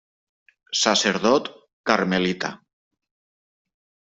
Sacerdot carmelita.